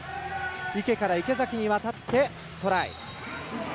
池から池崎に渡ってトライ。